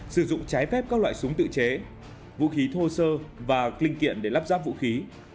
sử dụng trái phép các loại súng tự chế vũ khí thô sơ và linh kiện để lắp ráp vũ khí